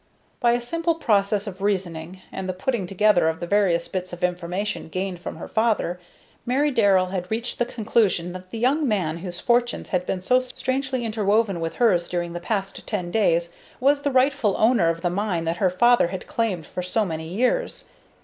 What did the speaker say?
By a simple process of reasoning, and the putting together of the various bits of information gained from her father, Mary Darrell had reached the conclusion that the young man whose fortunes had been so strangely interwoven with hers during the past ten days was the rightful owner of the mine that her father had claimed for so many years.